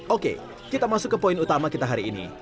oke kita masuk ke poin utama kita hari ini